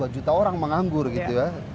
dua juta orang menganggur gitu ya